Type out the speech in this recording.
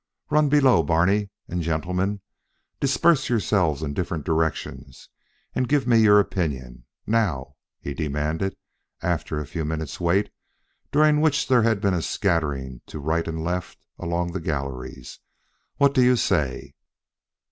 Run below, Barney; and, gentlemen, disperse yourselves in different directions and give me your opinion. Now!" he demanded after a few minutes' wait, during which there had been a scattering to right and left along the galleries, "what do you say?"